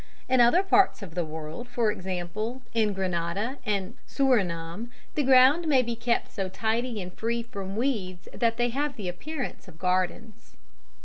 In other parts of the world, for example, in Grenada and Surinam, the ground may be kept so tidy and free from weeds that they have the appearance of gardens.